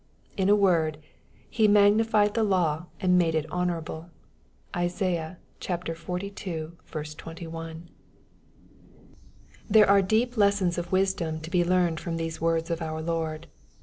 In a word, " He magnified the law and made it honorable." (Isaiah xlii. 21.) There are deep lessons of wisdom to be learned from these words of our Lord.